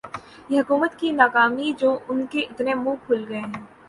یہ حکومت کی ناکامی جو انکے اتنے منہ کھل گئے ہیں